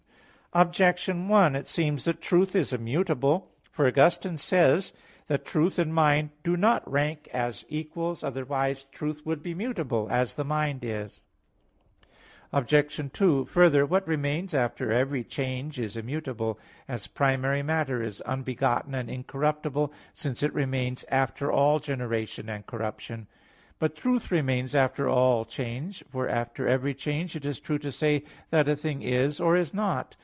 Objection 1: It seems that truth is immutable. For Augustine says (De Lib. Arbit. ii, 12), that "Truth and mind do not rank as equals, otherwise truth would be mutable, as the mind is." Obj. 2: Further, what remains after every change is immutable; as primary matter is unbegotten and incorruptible, since it remains after all generation and corruption. But truth remains after all change; for after every change it is true to say that a thing is, or is not.